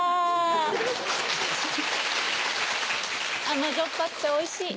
甘じょっぱくておいしい。